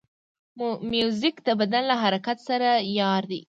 موزیک د بدن له حرکت سره یار دی.